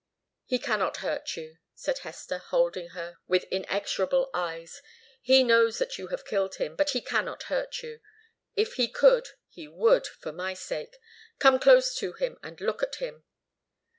"He cannot hurt you," said Hester, holding her with inexorable eyes. "He knows that you have killed him, but he cannot hurt you. If he could, he would for my sake. Come close to him and look at him."